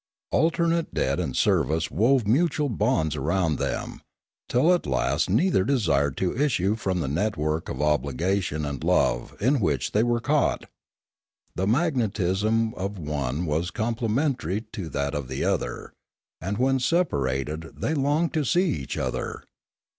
Alternate debt and service wove mutual bonds around them, till at last neither desired to issue from the network of obligation and love in which they were caught. The magnetism of one was complementary to 344 Limanora that of the other; and when separated they longed to see each other.